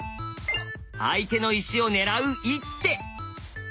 相手の石を狙う一手。